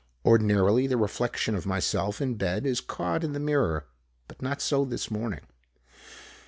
Ordinarily the reflection of myself, in bed, is caught in the mirror, but not so this morning.